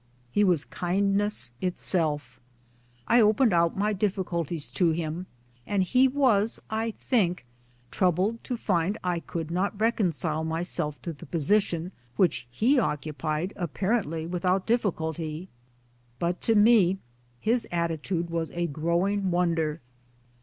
He was kindness itself. I opened out my difficulties to him ; and he was I think troubled to find I could not recon cile myself to the position which he occupied appar ently without difficulty. But to me his attitude was a growing wonder.